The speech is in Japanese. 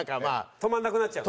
止まらなくなっちゃうの？